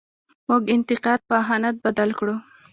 موږ انتقاد په اهانت بدل کړو.